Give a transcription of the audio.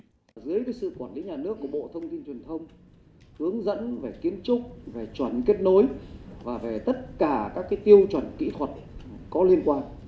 dưới sự quản lý nhà nước của bộ thông tin truyền thông hướng dẫn về kiến trúc về chuẩn kết nối và về tất cả các tiêu chuẩn kỹ thuật có liên quan